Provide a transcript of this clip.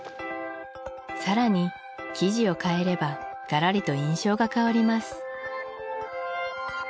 更に生地を変えればがらりと印象が変わります